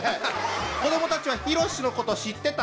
子どもたちはヒロシのこと知ってた？